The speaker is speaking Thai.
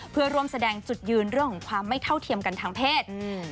เพื่อร่วมแสดงจุดยืนเรื่องของความไม่เท่าเทียมกันทางเพศ